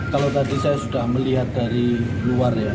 kalau tadi saya sudah melihat dari luar ya